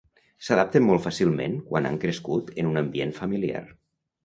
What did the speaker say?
S'adapten molt fàcilment quan han crescut en un ambient familiar.